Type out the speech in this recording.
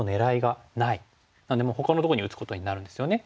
なのでもうほかのところに打つことになるんですよね。